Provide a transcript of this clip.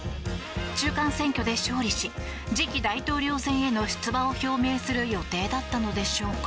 中間選挙で勝利し次期大統領選への出馬を表明する予定だったのでしょうか。